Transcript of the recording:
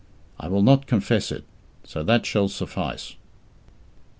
I will not confess it, so that shall suffice.